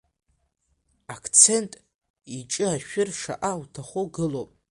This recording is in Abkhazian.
Ақсент иҿы ашәыр шаҟа уҭаху гылоуп.